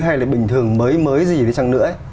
hay là bình thường mới mới gì đi chăng nữa